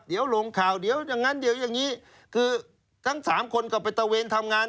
เดี๋ยวลงข่าวเดี๋ยวอย่างนั้นเดี๋ยวอย่างนี้คือทั้งสามคนก็ไปตะเวนทำงาน